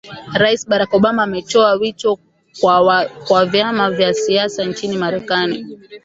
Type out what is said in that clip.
rais barack obama ametoa wito kwa vyama vya siasa nchini marekani